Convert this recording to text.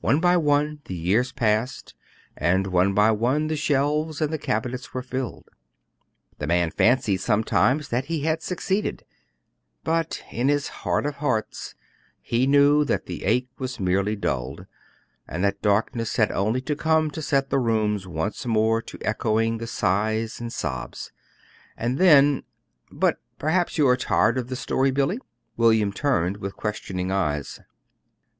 "One by one the years passed, and one by one the shelves and the cabinets were filled. The man fancied, sometimes, that he had succeeded; but in his heart of hearts he knew that the ache was merely dulled, and that darkness had only to come to set the rooms once more to echoing the sighs and sobs. And then but perhaps you are tired of the story, Billy." William turned with questioning eyes.